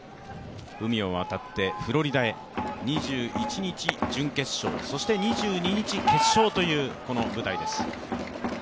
海を渡ってフロリダへ、２１日準決勝、２２日決勝という舞台です。